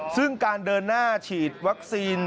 ซึ่งการเดินหน้าฉีดวัคซีน